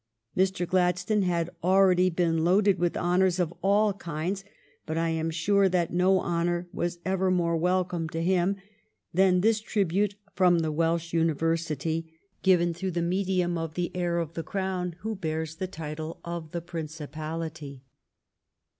Mr. Gladstone had already been loaded with honors of all kinds, but I am sure that no honor was ever more welcome to him than this tribute from the Welsh University, given through the medium of the heir of the Crown who bears the title of the principality.